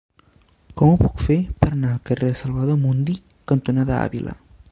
Com ho puc fer per anar al carrer Salvador Mundí cantonada Àvila?